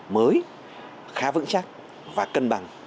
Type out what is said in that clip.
mới khá vững chắc và cân bằng